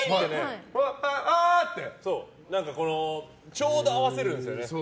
ちょうど合わせるんですよね